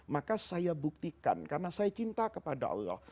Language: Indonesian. maka saya buktikan karena saya cinta kepada allah